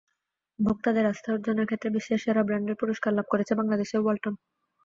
ভোক্তাদের আস্থা অর্জনের ক্ষেত্রে বিশ্বের সেরা ব্র্যান্ডের পুরস্কার লাভ করেছে বাংলাদেশের ওয়ালটন।